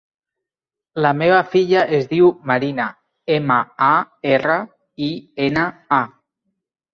La meva filla es diu Marina: ema, a, erra, i, ena, a.